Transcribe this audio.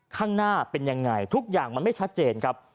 ข้างหน้าเป็นยังไงทุกอย่างมันไม่ชัดเจนครับ